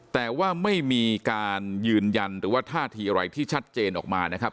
แต่ว่าไม่มีการยืนยันหรือว่าท่าทีอะไรที่ชัดเจนออกมานะครับ